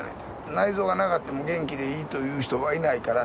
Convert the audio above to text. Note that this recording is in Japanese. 内臓がなかっても元気でいいという人はいないからって。